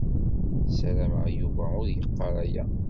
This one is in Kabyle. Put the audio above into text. Ssarameɣ Yuba ur yeqqar aya.